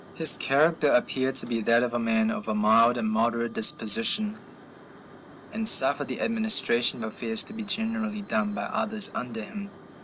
His character appeared to be that of a man of a mild and moderate disposition, and suffered the administration of affairs to be generally done by others under him.